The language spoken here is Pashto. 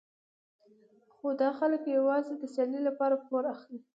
خو دا خلک یوازې د سیالۍ لپاره پور اخلي.